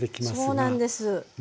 そうなんです。